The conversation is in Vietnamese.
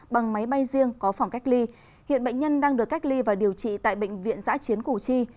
bằng máy bay riêng có phòng cách ly hiện bệnh nhân đang được cách ly và điều trị tại bệnh viện giã chiến củ chi